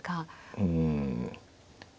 うん。